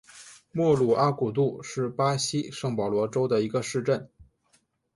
莫鲁阿古杜是巴西圣保罗州的一个市镇。